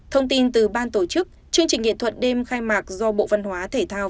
thông tin từ ban tổ chức chương trình nghệ thuật đêm khai mạc do bộ văn hóa thể thao